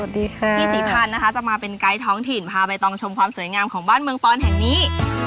ดีค่ะพี่ศรีพันธ์นะคะจะมาเป็นไกด์ท้องถิ่นพาใบตองชมความสวยงามของบ้านเมืองปอนแห่งนี้